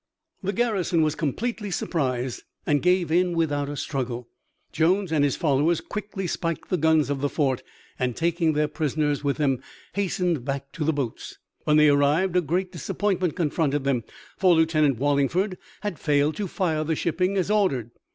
The garrison was completely surprised and gave in without a struggle. Jones and his followers quickly spiked the guns of the fort and taking their prisoners with them hastened back to the boats. When they arrived a great disappointment confronted them, for Lieutenant Wallingford had failed to fire the shipping as ordered.